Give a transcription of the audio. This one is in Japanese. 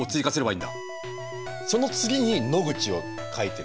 その次に「野口」を書いてる。